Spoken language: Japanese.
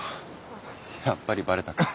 やっぱりばれたか。